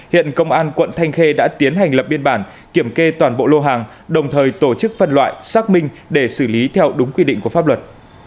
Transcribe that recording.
hiện công an quận thanh khê đã tiến hành lập biên bản kiểm kê toàn bộ lô hàng đồng thời tổ chức phân loại xác minh để xử lý theo đúng quy định của pháp luật